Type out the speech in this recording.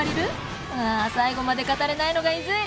ああ最後まで語れないのがいずい！